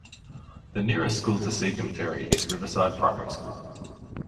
The nearest school to Seacombe Ferry is Riverside Primary School.